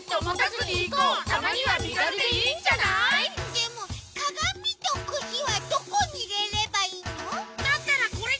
でもかがみとくしはどこにいれればいいの？